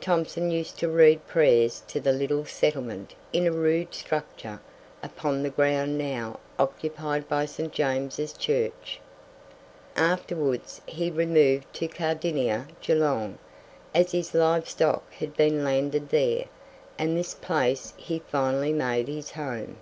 Thomson used to read prayers to the little settlement in a rude structure upon the ground now occupied by St. James's Church. Afterwards he removed to Kardinia, Geelong, as his live stock had been landed there, and this place he finally made his home.